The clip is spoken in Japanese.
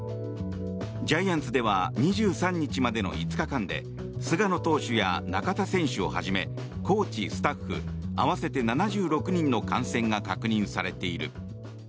ジャイアンツでは２３日までの５日間で菅野投手や中田選手をはじめコーチ、スタッフ合わせて７６人の感染が確認されている。